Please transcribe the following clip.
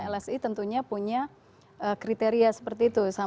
lsi tentunya punya kriteria seperti itu